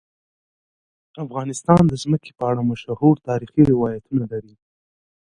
افغانستان د ځمکه په اړه مشهور تاریخی روایتونه لري.